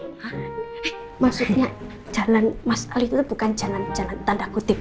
nah maksudnya jalan mas ali itu bukan jalan tanda kutip